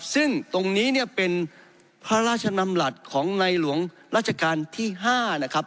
ซึ่งตรงนี้เนี่ยเป็นพระราชนำหลักของในหลวงราชการที่๕นะครับ